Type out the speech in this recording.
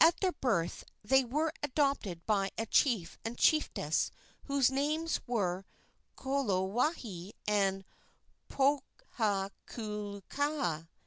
At their birth they were adopted by a chief and chiefess whose names were Kolowahi and Pohakukala.